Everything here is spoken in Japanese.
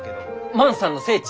万さんの聖地？